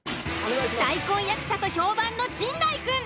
大根役者と評判の陣内くん。